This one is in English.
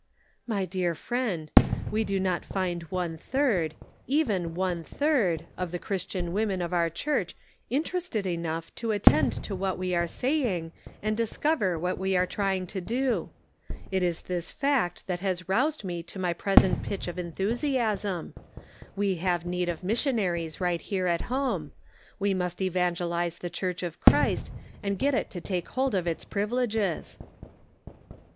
My dear friend, we do not find one third, even one third, of the Christian women of our 148 The Pocket Measure. church interested enough to attend to what we are saying, and discover what we are trying to do ! It is this fact that has roused me to my present pitch of enthusiasm ; we have need of missionaries right here at home ; we must evangelize the Church of Christ, and get it to take hold of its privileges